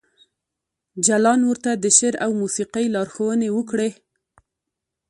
جلان ورته د شعر او موسیقۍ لارښوونې وکړې